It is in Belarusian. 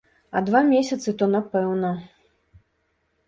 А два месяцы, то напэўна.